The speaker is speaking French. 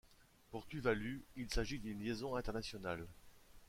Pour Tuvalu, il s'agit d'une liaison internationale.